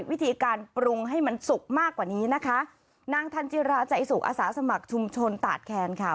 วิธีการปรุงให้มันสุกมากกว่านี้นะคะนางทันจิราใจสุขอาสาสมัครชุมชนตาดแคนค่ะ